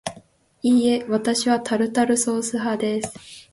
いいえ、わたしはタルタルソース派です